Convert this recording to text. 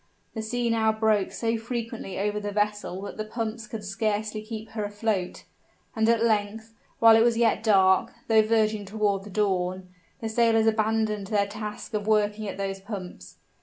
The sea now broke so frequently over the vessel that the pumps could scarcely keep her afloat; and at length, while it was yet dark, though verging toward the dawn, the sailors abandoned their task of working at those pumps.